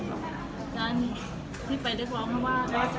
มันจะผิดตามที่มาตามัน